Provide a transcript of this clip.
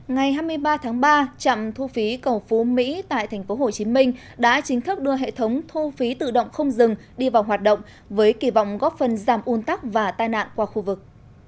ngày hai mươi ba tháng ba trạm thu phí cầu phú mỹ tại tp hcm đã chính thức đưa hệ thống thu phí tự động không dừng đi vào hoạt động với kỳ vọng góp phần giảm un tắc và tai nạn qua khu vực